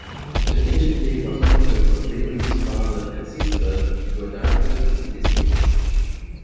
The initiative was prompted when Rehman's father and sister were diagnosed with the disease.